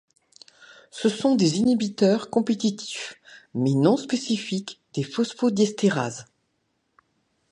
Ce sont des inhibiteurs compétitifs mais non spécifiques des phosphodiestérases.